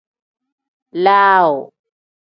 Laaw.